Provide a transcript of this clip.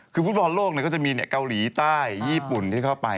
คือฟุตบอลโลกก็จะมีเกาหลีใต้ญี่ปุ่นที่เข้าไป